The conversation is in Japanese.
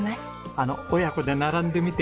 あの親子で並んでみて。